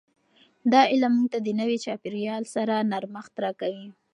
دا علم موږ ته د نوي چاپیریال سره نرمښت راکوي.